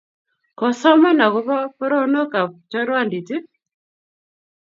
Koosoman akopo paronok ap chorwandit ii?